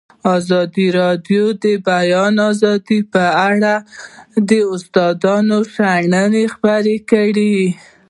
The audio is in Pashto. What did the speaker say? ازادي راډیو د د بیان آزادي په اړه د استادانو شننې خپرې کړي.